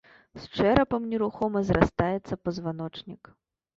З чэрапам нерухома зрастаецца пазваночнік.